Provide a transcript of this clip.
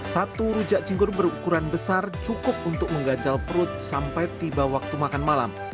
satu rujak cinggur berukuran besar cukup untuk menggajal perut sampai tiba waktu makan malam